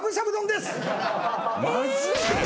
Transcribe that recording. マジで？